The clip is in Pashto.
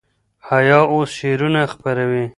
حیا اوس شعرونه خپروي.